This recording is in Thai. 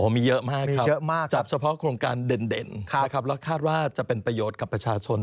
มีเยอะมากครับเยอะมากจับเฉพาะโครงการเด่นนะครับแล้วคาดว่าจะเป็นประโยชน์กับประชาชน